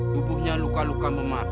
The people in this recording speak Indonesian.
tubuhnya luka luka memat